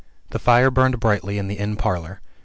The fire burned brightly in the inn parlor.